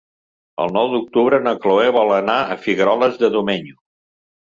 El nou d'octubre na Cloè vol anar a Figueroles de Domenyo.